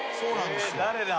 誰だ？